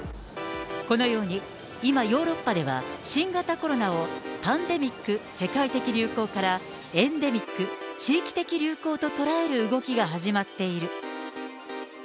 このように、今、ヨーロッパでは、新型コロナを、パンデミック・世界的流行から、エンデミック・地域的流行と捉える動きが始まっている。